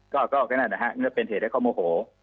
ก็แค่นั้นนะครับนี่เป็นเหตุข้อโมโห